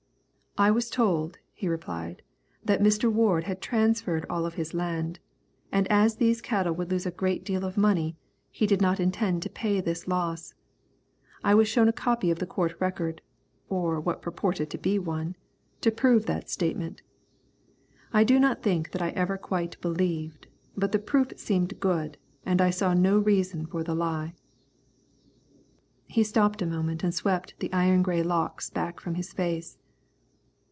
"I was told," he replied, "that Mr. Ward had transferred all of his land, and as these cattle would lose a great deal of money, he did not intend to pay this loss. I was shown a copy of the court record, or what purported to be one, to prove that statement. I do not think that I ever quite believed, but the proof seemed good, and I saw no reason for the lie." He stopped a moment and swept the iron grey locks back from his face.